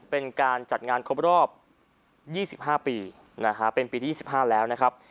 เป็นการจัดงานครบรอบ๒๕ปีนะฮะเป็นปีที่๒๕แล้วนะครับ